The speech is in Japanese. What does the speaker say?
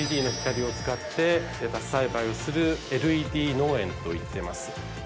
ＬＥＤの光を使ってレタス栽培をするＬＥＤ農園といってます。